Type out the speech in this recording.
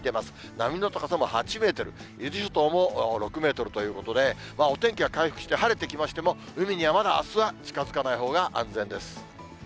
波の高さも８メートル、伊豆諸島も６メートルということで、お天気は回復して晴れてきましても、海にはまだ、あすは近づかないほうが安全です。